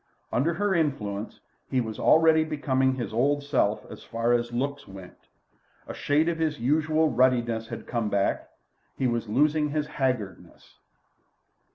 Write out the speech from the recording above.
Under her influence he was already becoming his old self as far as looks went. A shade of his usual ruddiness had come back; he was losing his haggardness.